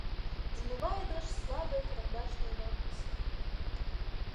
Змывае дождж слабыя карандашныя надпісы.